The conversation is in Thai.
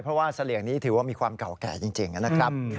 เพราะว่าเสลี่ยงนี้ถือว่ามีความเก่าแก่จริงนะครับ